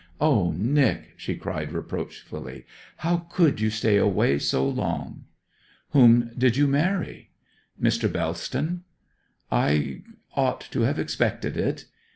'Oh Nic,' she cried reproachfully, 'how could you stay away so long?' 'Whom did you marry?' 'Mr. Bellston.' 'I ought to have expected it.'